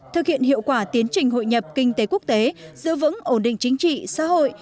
thực hiện hiệu quả tiến trình hội nhập kinh tế quốc tế giữ vững ổn định chính trị xã hội